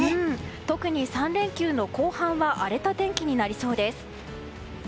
特に３連休の後半は荒れた天気になりそうです。